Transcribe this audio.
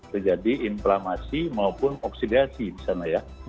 terjadi inflamasi maupun oksidasi disana ya